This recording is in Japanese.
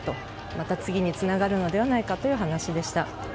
また次につながるのではないかという話でした。